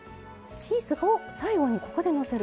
チーズを最後にここでのせる。